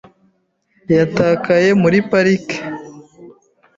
Yatakaye muri parike .